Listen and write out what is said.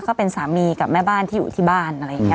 ก็เป็นสามีกับแม่บ้านที่อยู่ที่บ้านอะไรอย่างนี้